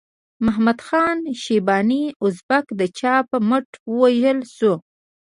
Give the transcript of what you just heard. محمد خان شیباني ازبک د چا په مټ ووژل شو؟